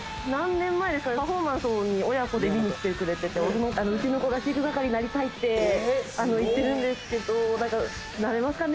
パフォーマンスを親子で見に来てくれてて、うちの子が飼育係になりたいって言ってるんですけど、なれますかね？